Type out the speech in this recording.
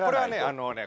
あのね